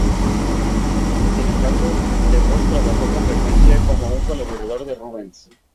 Sin embargo, De Vos trabajó con frecuencia como un colaborador de Rubens.